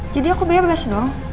jadi aku bebas dong